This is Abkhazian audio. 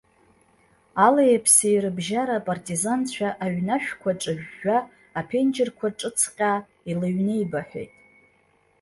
Але-аԥси рыбжьара апартизанцәа аҩны ашәқәа ҿыжәжәа, аԥенџьырқәа ҿыцҟьаа илыҩнеибаҳәеит.